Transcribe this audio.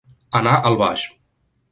Anar al baix.